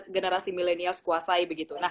generasi milenial sekuasai